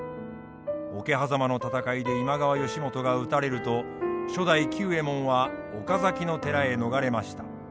桶狭間の戦いで今川義元が討たれると初代久右衛門は岡崎の寺へ逃れました。